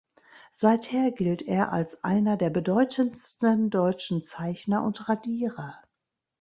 Seither gilt er als einer der bedeutendsten deutschen Zeichner und Radierer.